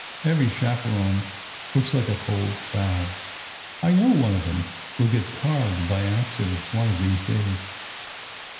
Every chaperone looks like a cold fowl. I know one of them will get carved by accident one of these days."